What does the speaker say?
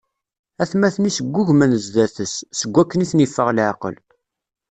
Atmaten-is ggugmen zdat-s, seg wakken i ten-iffeɣ leɛqel.